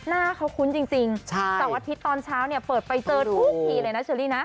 น่าเข้าคุ้นจริงจริงใช่สองอาทิตย์ตอนเช้าเนี้ยเปิดไปเจอทุกทีเลยนะชิลลี่นะ